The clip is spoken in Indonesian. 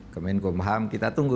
kementerian kebahan kita tunggu